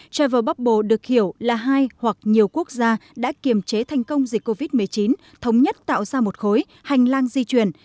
travel bubble được hiểu là hai hoặc nhiều quốc gia đã kiềm chế thành công dịch covid một mươi chín thống nhất tạo ra một khối hành lang di chuyển